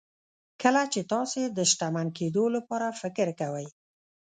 کله چې تاسې د شتمن کېدو لپاره فکر کوئ.